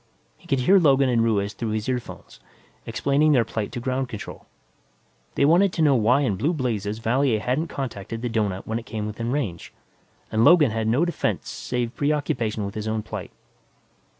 He could hear Logan and Ruiz through his earphones, explaining their plight to Ground Control. They wanted to know why in blue blazes Valier hadn't contacted the doughnut when it came within range, and Logan had no defense save preoccupation with his own plight.